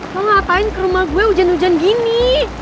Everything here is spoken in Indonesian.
mau ngapain ke rumah gue hujan hujan gini